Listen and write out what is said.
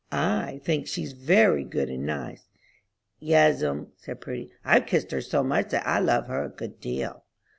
I think she's very good and nice." "Yes'm," said Prudy, "I've kissed her so much that I love her a good deal."